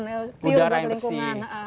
udara yang bersih